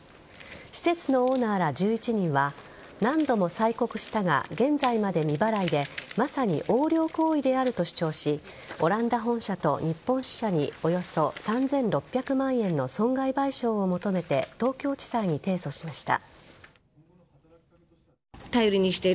施設のオーナーら１１人は何度も催告したが現在まで未払いでまさに横領行為であると主張しオランダ本社と日本支社におよそ３６００万円の損害賠償を求めて東京地裁に提訴しました。